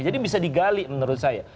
jadi bisa digali menurut saya